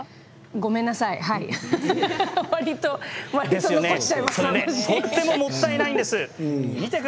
ごめんなさいもったいないんです。